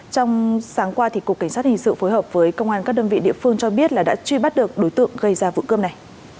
trong sáng qua cục cảnh sát hình sự phối hợp với công an các đơn vị địa phương cho biết là đã truy bắt được đối tượng gây ra vụ cướp này